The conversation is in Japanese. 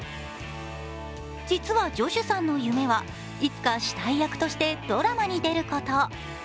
実はジョシュさんの夢はいつか死体役としてドラマに出ること。